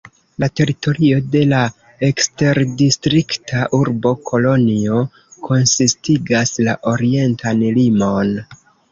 La teritorio de la eksterdistrikta urbo Kolonjo konsistigas la orientan limon.